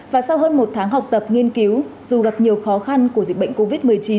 và sau hơn một tháng học tập nghiên cứu dù gặp nhiều khó khăn của dịch bệnh covid một mươi chín